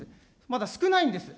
まだ少ないんです。